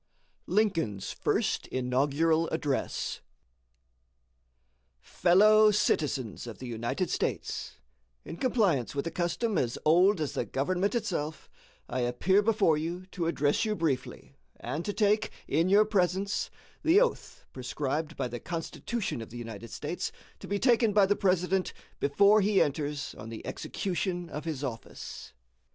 Lincoln's First Inaugural Address March 4, 1861 Fellow citizens of the United States: in compliance with a custom as old as the government itself, I appear before you to address you briefly and to take, in your presence, the oath prescribed by the Constitution of the United States, to be taken by the President "before he enters on the execution of his office."